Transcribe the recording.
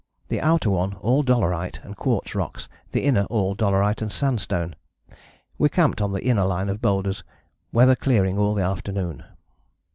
The outer one all dolerite and quartz rocks, the inner all dolerite and sandstone.... We camped on the inner line of boulders, weather clearing all the afternoon."